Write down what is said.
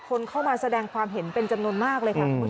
คนเข้ามาแสดงความเห็นเป็นจำนวนมากเลยค่ะ